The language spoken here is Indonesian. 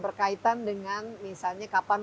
berkaitan dengan misalnya kapan